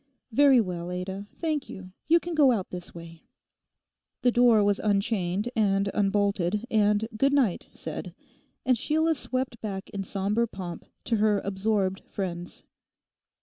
'Very well, Ada; thank you. You can go out this way.' The door was unchained and unbolted, and 'Good night' said. And Sheila swept back in sombre pomp to her absorbed friends.